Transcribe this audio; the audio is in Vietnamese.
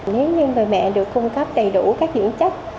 nếu như người mẹ được cung cấp đầy đủ các dưỡng chất